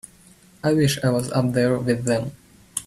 I wish I was up there with them.